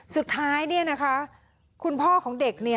สุดท้ายคุณพ่อของเด็ก